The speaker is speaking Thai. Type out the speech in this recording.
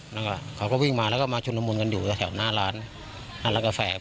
แล้วก็เขาก็วิ่งมาแล้วก็มาชุดละมุนกันอยู่แถวหน้าร้านร้านกาแฟ